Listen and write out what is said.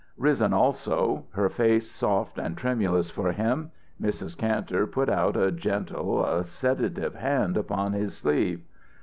Risen also, her face soft and tremulous for him, Mrs. Kantor put out a gentle, a sedative hand upon his sleeve.